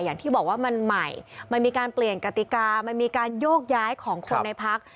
อย่างที่บอกว่ามันใหม่มันมีการเปลี่ยนกติกามันมีการโยกย้ายของคนในพัก